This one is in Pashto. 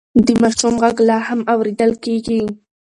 د ماشوم غږ لا هم اورېدل کېږي.